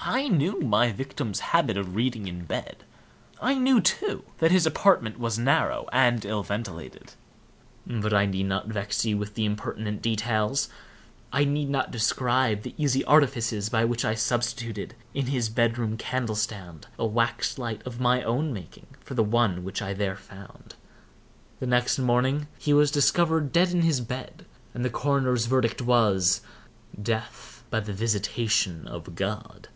I knew my victim's habit of reading in bed. I knew, too, that his apartment was narrow and ill ventilated. But I need not vex you with impertinent details. I need not describe the easy artifices by which I substituted, in his bed room candle stand, a wax light of my own making for the one which I there found. The next morning he was discovered dead in his bed, and the coroner's verdict was—"Death by the visitation of God."